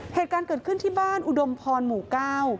เหตุการณ์เกิดขึ้นที่บ้านอุดมพรหมู่เก้า